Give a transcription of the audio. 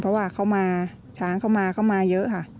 เพราะว่าเขามาช้างเขามาเขามาเยอะค่ะ